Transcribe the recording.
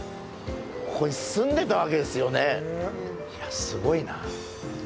ここに住んでたわけですよね、すごいな。